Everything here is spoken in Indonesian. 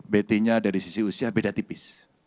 betinya dari sisi usia beda tipis